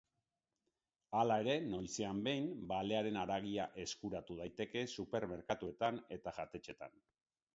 Hala ere, noizean behin, balearen haragia eskuratu daiteke supermerkatuetan eta jatetxeetan.